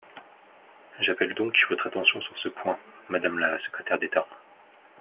J’appelle donc votre attention sur ce point, madame la secrétaire d’État.